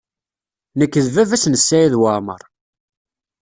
Nekk d baba-s n Saɛid Waɛmaṛ.